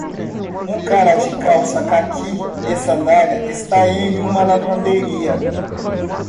Um cara de calça cáqui e sandálias está em uma lavanderia.